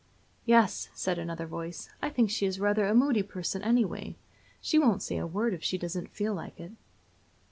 "Yes," said another voice, "I think she is rather a moody person anyway; she won't say a word if she doesn't feel like it."